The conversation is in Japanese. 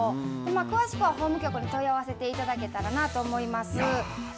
詳しくは法務局に問い合わせていただけたらなと思います。